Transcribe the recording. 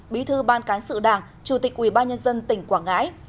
bí thư ban cán sự đảng chủ tịch ủy ban nhân dân tỉnh quảng ngãi